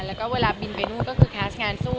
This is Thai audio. แล้วก็เวลาบินไปนู่นก็คือแคสต์งานสู้